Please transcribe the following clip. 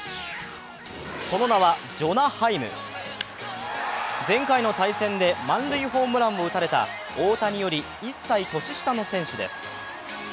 その名はジョナ・ハイム前回の対戦で満塁ホームランを打たれた、大谷より１歳年下の選手です。